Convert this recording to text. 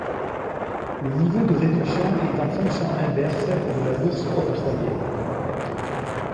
Le niveau de réduction étant fonction inverse de la bourse octroyée.